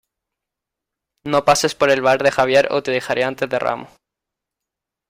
No pases por el bar de Javier o te dejaré antes de Ramos.